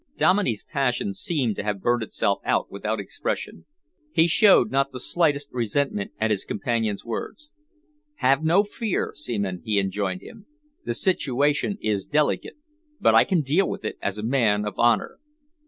Dominey's passion seemed to have burned itself out without expression. He showed not the slightest resentment at his companion's words. "Have no fear, Seaman," he enjoined him. "The situation is delicate, but I can deal with it as a man of honour."